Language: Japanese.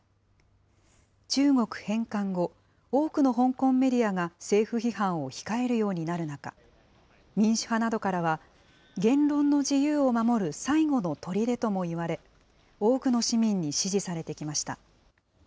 中国返還後、多くの香港メディアが政府批判を控えるようになる中、民主派などからは、言論の自由を守る最後のとりでともいわれ、多くの市民に支持されてきました。